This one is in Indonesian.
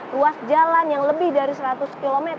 ruas jalan yang lebih dari seratus km